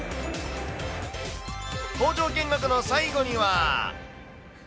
工場見学の最後には。